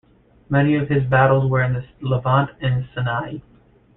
Many of his battles were in the Levant and the Sinai.